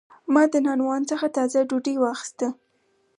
ما د نانوان څخه تازه ډوډۍ واخیسته.